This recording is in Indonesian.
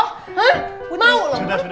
hah mau lo